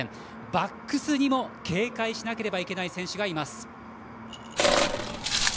バックスにも警戒しなければいけない選手がいます。